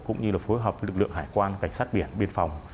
cũng như là phối hợp với lực lượng hải quan cảnh sát biển biên phòng